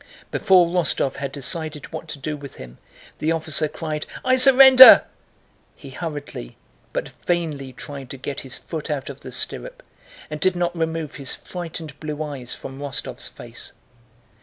Before Rostóv had decided what to do with him, the officer cried, "I surrender!" He hurriedly but vainly tried to get his foot out of the stirrup and did not remove his frightened blue eyes from Rostóv's face.